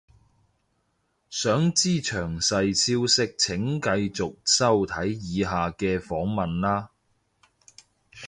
想知詳細消息請繼續收睇以下嘅訪問喇